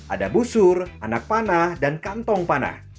ada busur anak panah dan kantong panah